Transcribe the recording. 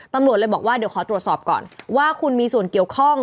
ตำรวจเลยบอกว่าเดี๋ยวขอตรวจสอบก่อนว่าคุณมีส่วนเกี่ยวข้อง